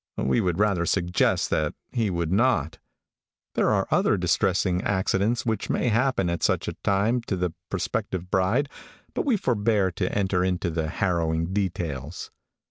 We would rather suggest that he would not. There are other distressing accidents which may happen at such a time to the prospective bride, but we forbear to enter into the harrowing details.